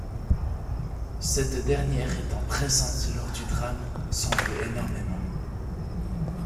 Cette dernière étant présente lors du drame s'en veut énormément.